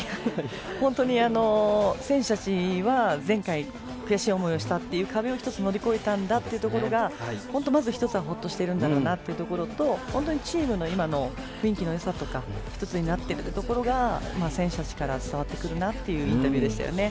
本当に、選手たちは前回悔しい思いをしたという壁を１つ乗り越えたんだというところは、まず１つはほっとしているんだろうなというところと、チームの今の雰囲気のよさとか１つになっているところが選手たちから伝わってくるなというインタビューでしたね。